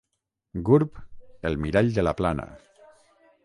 Gurb, el mirall de la Plana.